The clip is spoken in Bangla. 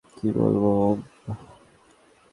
কি বলব, ওম?